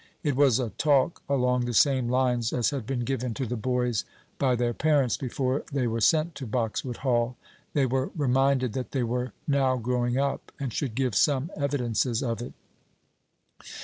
It was a talk along the same lines as had been given to the boys by their parents before they were sent to Boxwood Hall. They were reminded that they were now growing up, and should give some evidences of it.